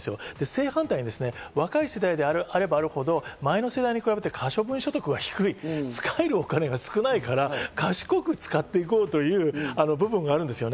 正反対に、若い世代であればあるほど、前の世代に比べて可処分所得が低い、使えるお金が少ないから、賢く使って行こうという部分があるんですよ。